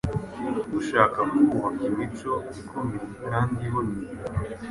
Ushaka kubaka imico ikomeye kandi iboneye,